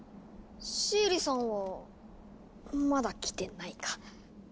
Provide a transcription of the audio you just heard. シエリさんはまだ来てないか。